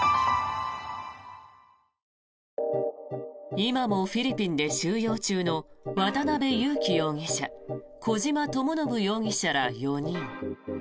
今もフィリピンで収容中の渡邉優樹容疑者小島智信容疑者ら４人。